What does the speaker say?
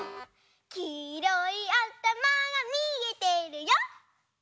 「きいろいあたまがみえてるよ」